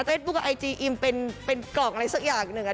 เต้นบุ๊กกับไอจีอิมเป็นเป็นกล่องอะไรสักอย่างหนึ่งอ่ะ